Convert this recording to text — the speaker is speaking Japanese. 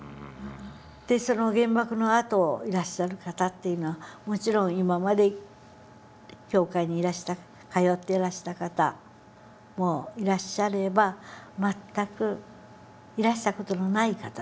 その原爆のあといらっしゃる方というのはもちろん今まで教会にいらした通ってらした方もいらっしゃれば全くいらした事のない方たち。